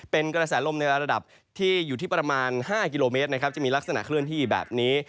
เป็นกระแสลมในระดับที่อยู่ที่ประมาณ๕กิโลเมตรนะครับจะมีลักษณะเคลื่อนที่แบบนี้